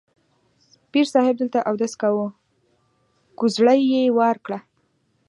پیر صاحب دلته اودس کاوه، کوزړۍ یې وار کړه.